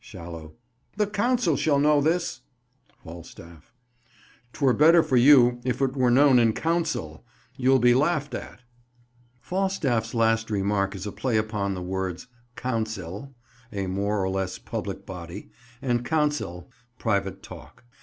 Shallow. The Council shall know this. Falstaff. 'Twere better for you, if it were known in counsel: you'll he laughed at. Falstaff's last remark is a play upon the words "Council," a more or less public body, and "counsel," private talk.